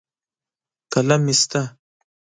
قلم مې شته.